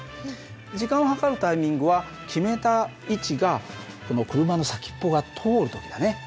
時間を計るタイミングは決めた位置がこの車の先っぽが通る時だね